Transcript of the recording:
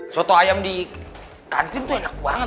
soto ayam di kancing tuh enak banget